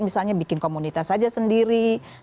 misalnya bikin komunitas saja sendiri